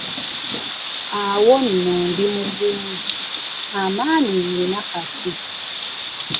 Awo nno ndimugumu amaanyi nina kati.